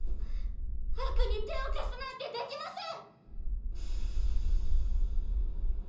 悪に手を貸すなんてできません！